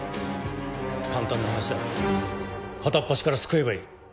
簡単な話だ片っ端から救えばいい。